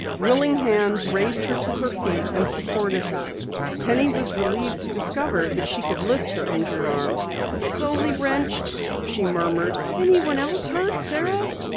Willing hands raised her to her feet and supported her. Penny was relieved to discover that she could lift her injured arm. "It's only wrenched," she murmured. "Anyone else hurt, Sara?"